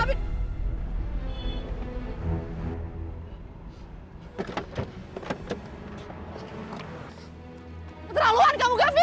keterlaluan kamu gavin